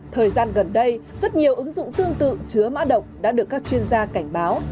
thời gian gần đây rất nhiều ứng dụng tương tự chứa mã độc đã được các chuyên gia cảnh báo